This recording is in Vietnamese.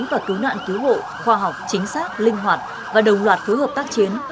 và cứu nạn cứu hộ khoa học chính xác linh hoạt và đồng loạt phối hợp tác chiến